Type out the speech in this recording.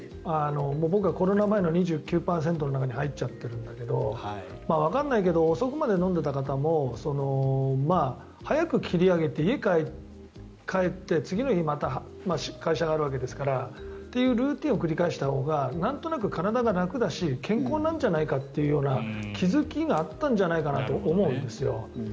僕はコロナ前の２９％の中に入っちゃってるんだけどわからないけど遅くまで飲んでいた方も早く切り上げて家に帰って、次の日にまた会社があるわけですからそういうルーチンを繰り返したほうがなんとなく体が楽だし健康なんじゃないかという気付きがあったんじゃないかなと思うんですよ。